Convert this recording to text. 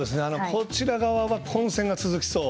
こちら側は、混戦が続きそう。